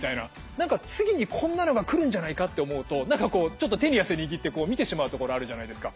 何か次にこんなのが来るんじゃないかって思うと何かちょっと手に汗握って見てしまうところあるじゃないですか。